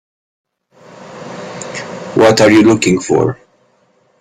What are you looking for?